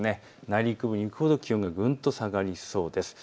内陸部に行くほど気温がぐんと下がりそうです。